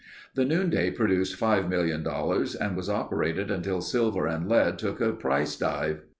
The Noonday produced five million dollars and was operated until silver and lead took a price dive.